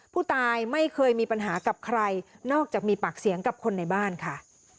ผู้ตายไม่เคยมีปัญหากับใครนอกจากมีปากเสียงกับคนในบ้านค่ะ